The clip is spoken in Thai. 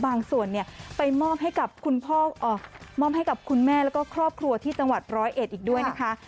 บางส่วนเนี่ยไปมอบให้กับคุณแม่และก็ครอบครัวที่จังหวัดร้อยเอ็ดอีกด้วยนะคะ